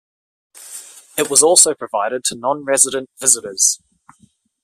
It was also provided to non-resident visitors.